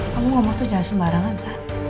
kamu ngomong tuh jangan sembarangan saya